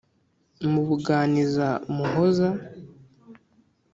Mubuganiza muhoza